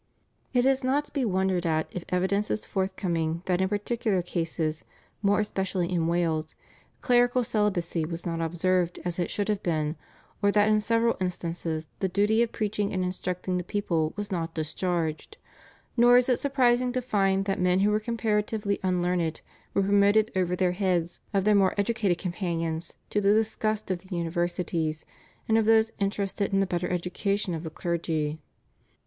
It is not to be wondered at if evidence is forthcoming that in particular cases, more especially in Wales, clerical celibacy was not observed as it should have been, or that in several instances the duty of preaching and instructing the people was not discharged, nor is it surprising to find that men who were comparatively unlearned were promoted over the heads of their more educated companions to the disgust of the universities and of those interested in the better education of the clergy.